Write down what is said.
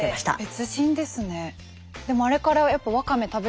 別人ですね。